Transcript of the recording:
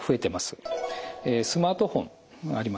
スマートフォンがありますね。